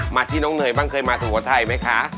ที่น้องเนยบ้างเคยมาสุโขทัยไหมคะ